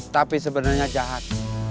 tapi sebenarnya jahat